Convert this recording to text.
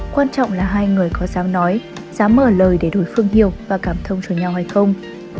quan trọng là hai người có dám nói dám mở lời để đổi phương hiểu và cảm thông cho nhau hay không